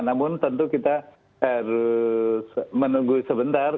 namun tentu kita harus menunggu sebentar